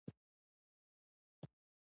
د پیرودونکي قناعت د برکت دروازه ده.